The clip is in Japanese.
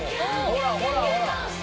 「ほらほらほら！」